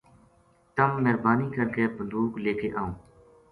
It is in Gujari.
تم مہربانی کر کے بندوق لے کے آؤں